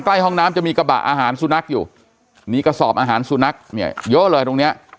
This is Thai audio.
ใกล้ห้องน้ำจะมีกระบะอาหารสุนัขอยู่มีกระสอบอาหารสุนัขเนี่ยเยอะเลยตรงเนี้ย